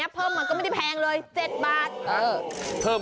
เพิ่มมาอีก๒บาท